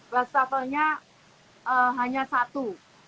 wastafelnya hanya satu